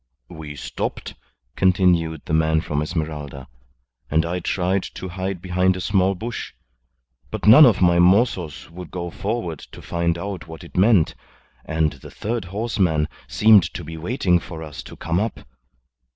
"We stopped," continued the man from Esmeralda, "and I tried to hide behind a small bush. But none of my mozos would go forward to find out what it meant, and the third horseman seemed to be waiting for us to come up.